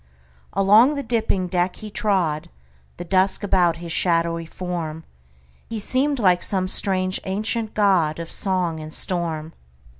Along the dipping deck he trod, The dusk about his shadowy form; He seemed like some strange ancient godOf song and storm.